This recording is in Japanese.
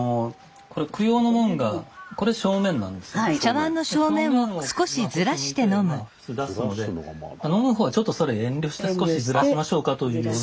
考え方として正面をこっち向いて普通出すので飲むほうはちょっとそれ遠慮して少しずらしましょうかというような。